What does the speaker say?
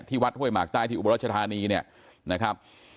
ที่วัดเฮ่ยหมากใจที่อุบราชธานีเนี่ยนะครับ